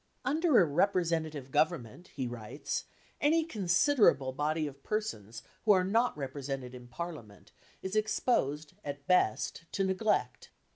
"Under a representative government," he writes, "any considerable body of persons who are not represented in Parliament is exposed, at best, to neglect.